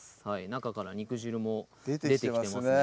中から肉汁も出てきてますね